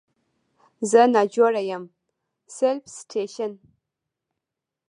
زه ناجوړه یم Self Citation